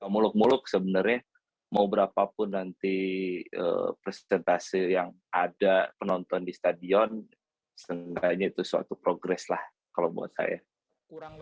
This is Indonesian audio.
muluk muluk sebenarnya mau berapapun nanti presentase yang ada penonton di stadion sebenarnya itu suatu progres lah kalau buat saya